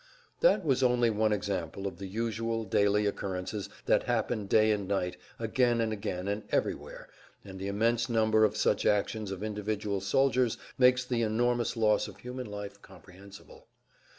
That was only one example of the usual, daily occurrences that happen day and night, again and again and everywhere, and the immense number of such actions of individual soldiers makes the enormous loss of human life comprehensible.